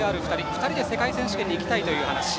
２人で世界選手権に行きたいという話。